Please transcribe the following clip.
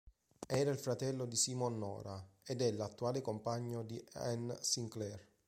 Era fratello di Simon Nora ed è l'attuale compagno di Anne Sinclair.